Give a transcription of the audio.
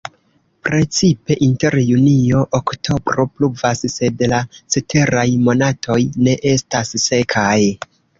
Precipe inter junio-oktobro pluvas, sed la ceteraj monatoj ne estas sekaj.